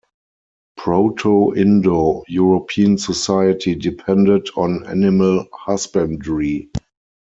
Proto-Indo-European society depended on animal husbandry.